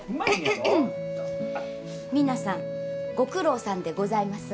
皆さんご苦労さんでございます。